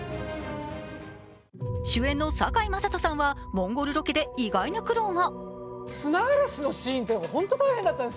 主演の堺雅人さんはモンゴルロケで意外な苦労が。